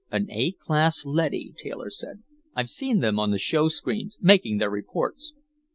"An A class leady," Taylor said. "I've seen them on the showscreens, making their reports."